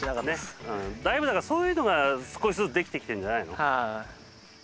だいぶだからそういうのが少しずつできてきてんじゃないの。